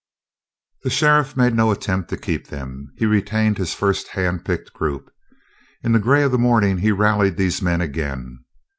The sheriff made no attempt to keep them. He retained his first hand picked group. In the gray of the morning he rallied these men again.